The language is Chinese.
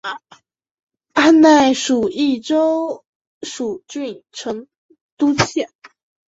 汉代属益州蜀郡成都县。